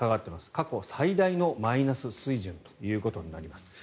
過去最大のマイナス水準となります。